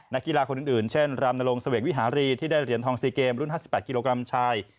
นักกีฬาคนอื่นเช่นรามนรงเสวกวิหารีที่ได้เหรียญทอง๔เกมรุ่น๕๘กิโลกรัมชาย